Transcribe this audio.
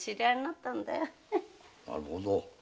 なるほど。